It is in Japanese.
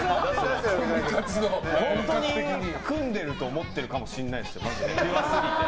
本当に組んでると思ってるかもしれないですよ。